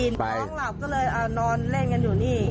น้องหลับก็เลยนอนเล่นกันอยู่นี่